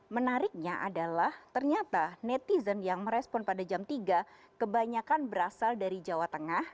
menariknya adalah ternyata netizen yang merespon pada jam tiga kebanyakan berasal dari jawa tengah